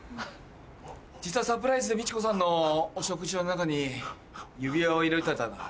実はサプライズでミチコさんのお食事の中に指輪を入れておいたんだ。